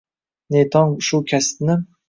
нетонг шу касбни...